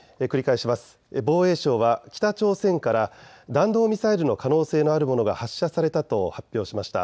弾道ミサイルの可能性のあるものが発射されたと発表しました。